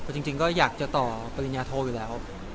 ก็คิดครับจริงก็อยากจะต่อปริญญาโทรอยู่แล้ว